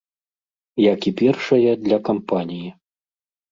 Як і першая, для кампаніі.